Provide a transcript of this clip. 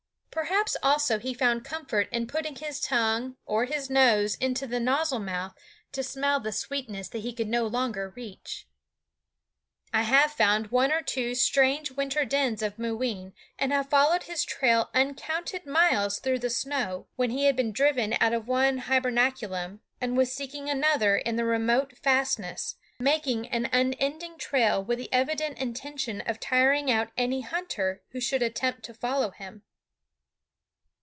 Perhaps also he found comfort in putting his tongue or his nose into the nozzle mouth to smell the sweetness that he could no longer reach. I have found one or two strange winter dens of Mooween, and have followed his trail uncounted miles through the snow when he had been driven out of one hibernaculum and was seeking another in the remote fastnesses, making an unending trail with the evident intention of tiring out any hunter who should attempt to follow him.